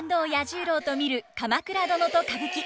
十郎と見る「鎌倉殿」と歌舞伎。